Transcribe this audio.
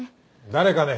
誰かね？